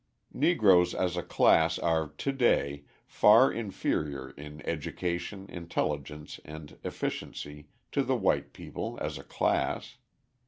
Negroes as a class are to day far inferior in education, intelligence, and efficiency to the white people as a class.